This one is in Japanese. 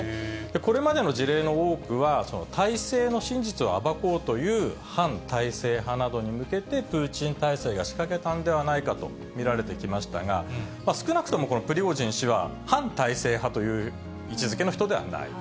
これまでの事例の多くは、体制の真実を暴こうという反体制派などに向けて、プーチン政権が仕掛けたんではないかと見られてきましたが、少なくともこのプリゴジン氏は、反体制派という位置づけの人ではない。